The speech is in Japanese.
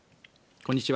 こんにちは。